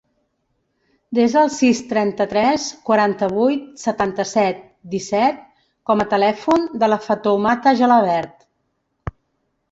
Desa el sis, trenta-tres, quaranta-vuit, setanta-set, disset com a telèfon de la Fatoumata Gelabert.